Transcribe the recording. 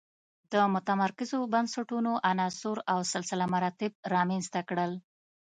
د متمرکزو بنسټونو عناصر او سلسله مراتب رامنځته کړل.